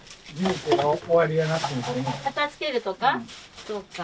片づけるとか？